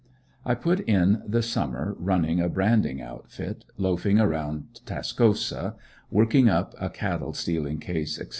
I put in the summer running a branding outfit, loafing around Tascosa, working up a cattle stealing case, etc.